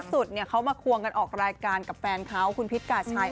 สุดเขามาควงกันออกรายการกับแฟนเขาคุณพิษกาชัย